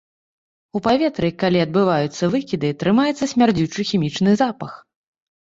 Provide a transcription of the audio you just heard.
У паветры, калі адбываюцца выкіды, трымаецца смярдзючы хімічны запах.